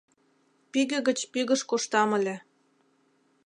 Пӱгӧ гыч пӱгыш коштам ыле.